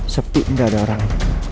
sepi gak ada orang